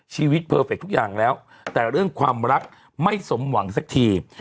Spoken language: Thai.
ชีวิตเพอร์เฟคทุกอย่างแล้วแต่เรื่องความรักไม่สมหวังสักที